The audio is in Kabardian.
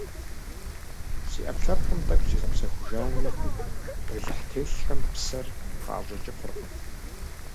Си Ӏэпкълъэпкъым тӀэкӀу зигъэпсэхужами, бэлыхь телъхэм псэр къаӀэщӀэкӀыфыркъым.